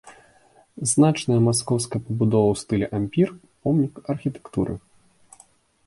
Значная маскоўская пабудова ў стылі ампір, помнік архітэктуры.